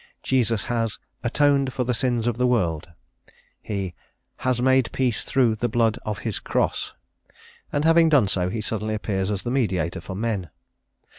Jesus has "atoned for the sins of the world;" he "has made peace through the blood of his cross;" and having done so, he suddenly appears as the mediator for men.